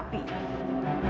dia mau terapi